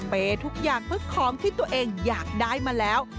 ทุกอย่างเพื่อของที่ตัวเองอยากได้มาแล้ว